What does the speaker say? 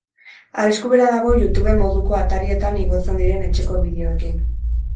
Arrisku bera dago youtube moduko atarietan igotzen diren etxeko bideoekin.